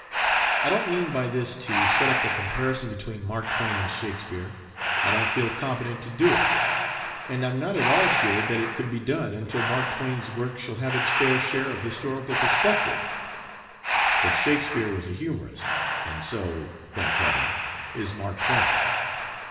I don't mean by this to set up a comparison between Mark Twain and Shakespeare: I don't feel competent to do it; and I'm not at all sure that it could be done until Mark Twain's work shall have its fair share of historical perspective. But Shakespeare was a humorist and so, thank Heaven! is Mark Twain.